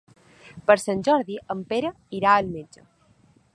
Per Sant Jordi en Pere irà al metge.